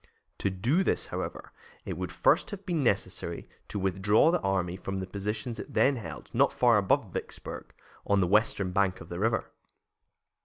To do this, however, it first would have been necessary to withdraw the army from the positions it then held not far above Vicksburg, on the western bank of the river.